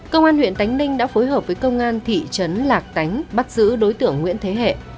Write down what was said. công an huyện tánh linh đã phối hợp với công an thị trấn lạc tánh bắt giữ đối tưởng nguyễn thế hệ